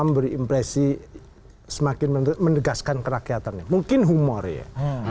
memberi impresi semakin menegaskan kerakyatannya mungkin humor ya